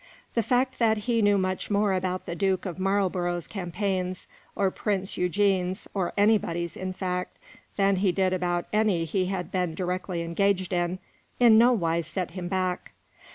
The fact that he knew much more about the Duke of Marlborough's campaigns, or Prince Eugene's, or anybody's, in fact, than he did about any he had been directly engaged in, in no wise set him back.